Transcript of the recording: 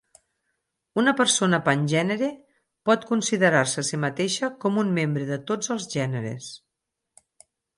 Una persona pangènere pot considerar-se a si mateixa com un membre de tots els gèneres.